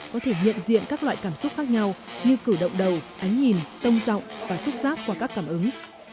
có thể nhận diện các loại cảm xúc khác nhau như cử động đầu ánh nhìn tông rộng và xúc rác qua các cảm ứng